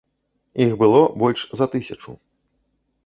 Іх было больш за тысячу.